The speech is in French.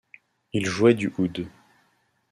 Il jouait du oud.